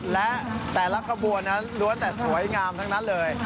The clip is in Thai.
และแต่ละขบวนนั้นล้วนแต่สวยงามทั้งนั้นเลย